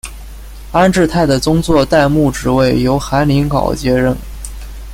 安治泰的宗座代牧职位由韩宁镐接任。